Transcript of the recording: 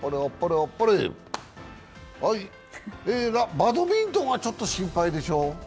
バドミントンはちょっと心配でしょ。